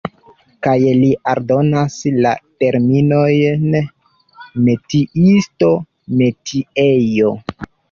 Kaj li aldonas la terminojn "metiisto", "metiejo".